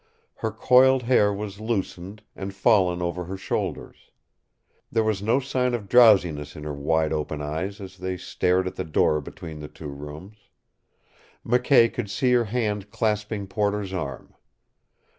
Her coiled hair was loosened, and fallen over her shoulders. There was no sign of drowsiness in her wide open eyes as they stared at the door between the two rooms. McKay could see her hand clasping Porter's arm.